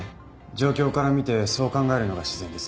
状況からみてそう考えるのが自然です。